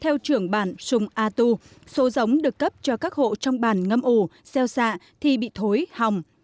theo trưởng bản sùng a tu số giống được cấp cho các hộ trong bàn ngâm ủ xeo xạ thì bị thối hỏng